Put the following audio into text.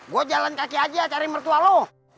gue jalan kaki aja cari mertua lo